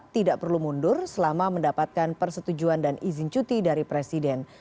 tidak perlu mundur selama mendapatkan persetujuan dan izin cuti dari presiden